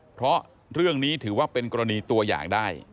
เพราะเรื่องนี้ถือว่าเป็นกรณีตัวอย่างได้